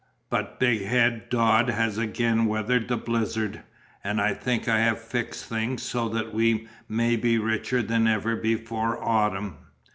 But Big Head Dodd has again weathered the blizzard, and I think I have fixed things so that we may be richer than ever before autumn.